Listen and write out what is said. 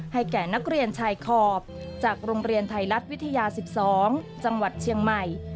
แก่นักเรียนชายขอบจากโรงเรียนไทยรัฐวิทยา๑๒จังหวัดเชียงใหม่